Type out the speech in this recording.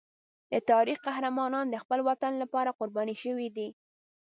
د تاریخ قهرمانان د خپل وطن لپاره قربان شوي دي.